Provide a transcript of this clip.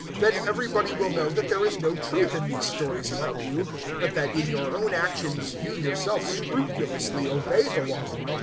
Then everybody will know that there is no truth in these stories about you, but that in your own actions you yourself scrupulously obey the Law.